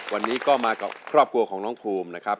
วันนี้ก็มากับครอบครัวของน้องภูมินะครับ